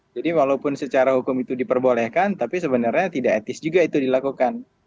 jadi walaupun secara hukum itu diperbolehkan tapi sebenarnya tidak etis juga itu dilakukan